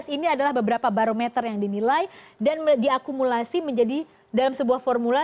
ini adalah beberapa barometer yang dinilai dan diakumulasi menjadi dalam sebuah formula